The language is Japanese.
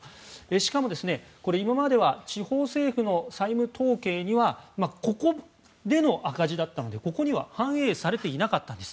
しかも、今までは地方政府の債務統計には融資平台の赤字だったのでここには反映されていなかったんです。